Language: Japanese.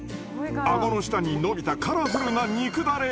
顎の下に伸びたカラフルな肉垂れ。